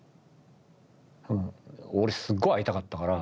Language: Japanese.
俺すっごい会いたかったから。